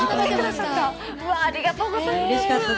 ありがとうございます。